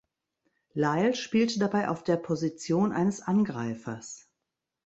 Lyle spielte dabei auf der Position eines Angreifers.